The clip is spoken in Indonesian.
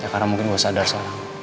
ya karena mungkin gue sadar sekarang